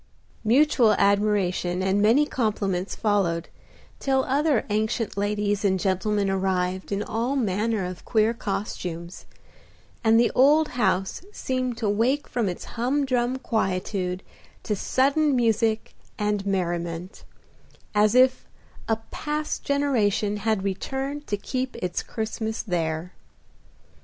Mutual admiration and many compliments followed, till other ancient ladies and gentlemen arrived in all manner of queer costumes, and the old house seemed to wake from its humdrum quietude to sudden music and merriment, as if a past generation had returned to keep its Christmas there.